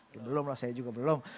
ya belum lah saya juga belum